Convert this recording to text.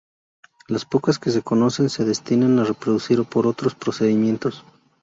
Las pocas que se conocen se destinan a reproducir por otros procedimientos.